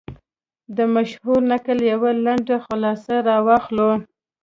د مشهور نکل یوه لنډه خلاصه را واخلو.